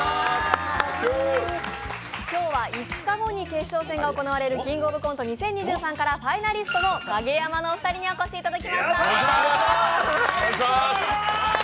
今日は５日後に決勝戦が行われる「キングオブコント２０２３」からファイナリストのカゲヤマのお二人にお越しいただきました。